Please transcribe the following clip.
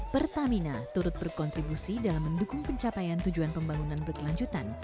pertamina turut berkontribusi dalam mendukung pencapaian tujuan pembangunan berkelanjutan